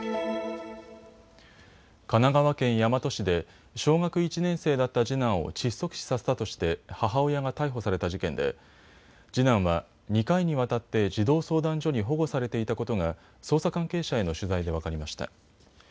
神奈川県大和市で小学１年生だった次男を窒息死させたとして母親が逮捕された事件で次男は２回にわたって児童相談所に保護されていたことが捜査関係者への取材で分かりました。